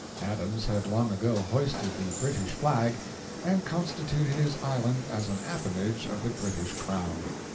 Adams had long ago hoisted the British flag and constituted his island an appanage of the British crown.